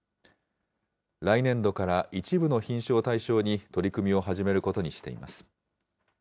来年度から一部の品種を対象に、取り組みを始めることにしています。